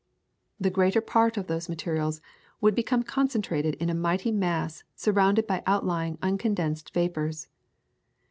The greater part of those materials would become concentrated in a mighty mass surrounded by outlying uncondensed vapours.